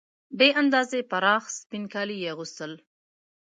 بې اندازې پراخ سپین کالي یې اغوستل.